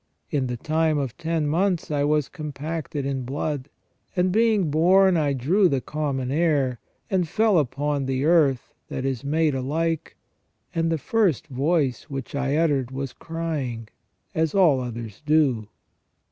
In the time of ten months I was compacted in blood. ... And being born I drew the common air, and fell upon the earth, that is made alike, and the first voice which I uttered Was crying, as all others do."